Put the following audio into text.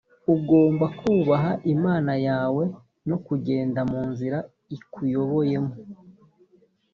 ugomba kubaha imana yawe no kugenda mu nzira ikuyoboyemo